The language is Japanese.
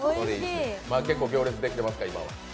結構行列できてますか、今は。